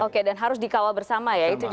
oke dan harus dikawal bersama ya